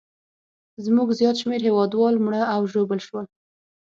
زموږ زیات شمېر هیوادوال مړه او ژوبل شول.